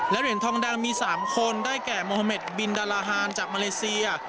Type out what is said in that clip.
เหรียญทองแดงมี๓คนได้แก่โมฮาเมดบินดาราฮานจากมาเลเซีย